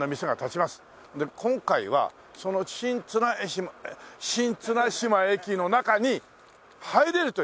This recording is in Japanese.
で今回はその新綱島駅の中に入れるという。